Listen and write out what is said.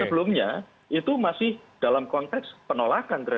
sebelumnya itu masih dalam konteks penolakan